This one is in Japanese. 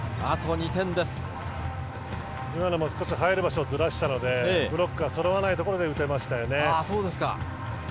今のも少し入る場所をずらしてブロックがそろわないところで打てましたよね。